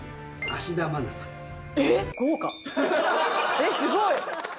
えっすごい！